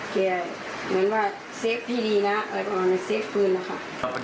เหมือนว่าเซฟให้ดีนะอะไรประมาณเซฟปืนนะคะ